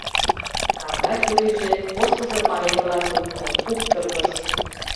Каҥга чурийже кошкышо пареҥгыла турто, куптыргыш.